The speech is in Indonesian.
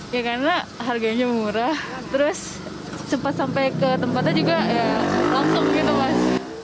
ya karena harganya murah terus cepat sampai ke tempatnya juga ya langsung gitu mas